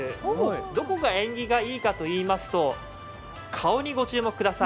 どこが縁起がいいかといいますと顔にご注目ください。